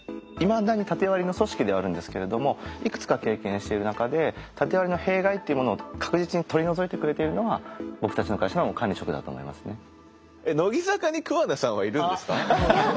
いまだに縦割りの組織ではあるんですけれどもいくつか経験している中で縦割りの弊害っていうものを確実に取り除いてくれているのが僕たちの会社はもう管理職だと思いますね。